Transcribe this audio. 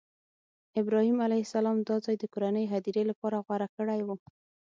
ابراهیم علیه السلام دا ځای د کورنۍ هدیرې لپاره غوره کړی و.